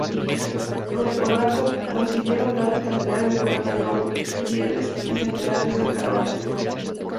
Los polacos consiguieron grandes cantidades de plata y oro, pieles y centenares de carruajes.